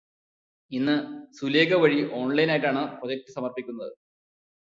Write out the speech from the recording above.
ഇന്ന് സുലേഖ വഴി ഓൺലൈനായിട്ടാണ് പ്രോജക്റ്റ് സമർപ്പിക്കുന്നത്.